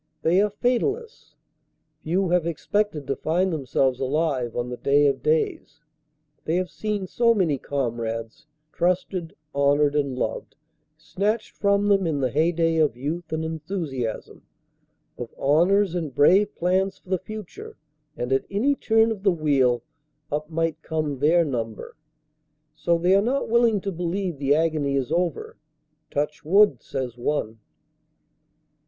They are fatalists. Few have expected to find themselves alive on the day of days. They have seen so many comrades, trusted, honored and loved, snatched from them in the heyday of youth and enthusiasm, of honors and brave plans for the future; and at any turn of the wheel up might come their number. So they are not willing to believe the agony is over. "Touch wood," says one.